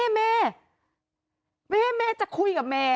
เมเมจะคุยกับเม